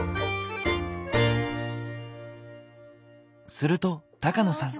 すると高野さん